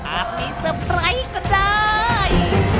อาจไม่เซอร์ไพรส์ก็ได้